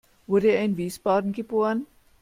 Wurde er in Wiesbaden geboren?